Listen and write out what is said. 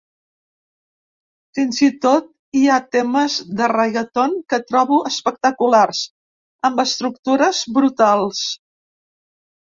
Fins i tot hi ha temes de reggaeton que trobo espectaculars, amb estructures brutals.